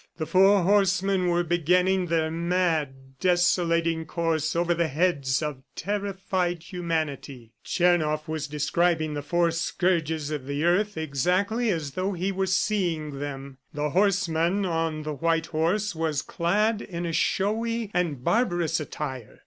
The four horsemen were beginning their mad, desolating course over the heads of terrified humanity. Tchernoff was describing the four scourges of the earth exactly as though he were seeing them. The horseman on the white horse was clad in a showy and barbarous attire.